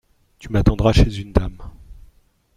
Tu m'attendras chez une dame.